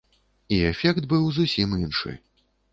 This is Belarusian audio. І эфект быў бы зусім іншы.